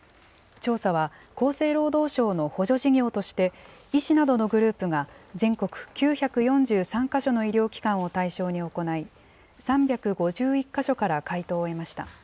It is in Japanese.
調査は厚生労働省の補助事業として、医師などのグループが全国９４３か所の医療機関を対象に行い、３５１か所から回答を得ました。